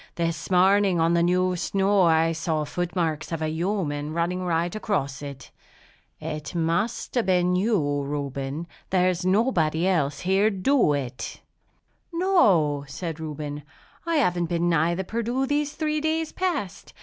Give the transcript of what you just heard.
This morning, on the new snow, I saw foot marks of a human running right across it. It must have been you, Reuben. There's nobody else round here 'd do it!" "No," said Reuben, "I haven't been nigh the Perdu these three days past.